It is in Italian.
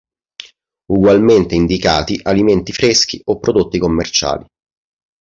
Ugualmente indicati alimenti freschi o prodotti commerciali.